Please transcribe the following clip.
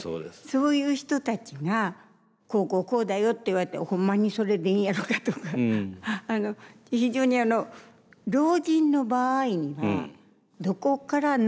そういう人たちが「こうこうこうだよ」って言われて「ホンマにそれでいいんやろか」とか。非常に老人の場合にはどこから納得ができていくのか。